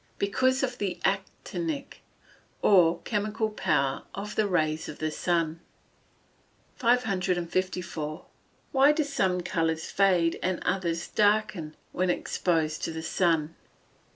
_ Because of the actinic, or chemical power of the rays of the sun. 554. _Why do some colours fade, and others darken, when exposed to the sun?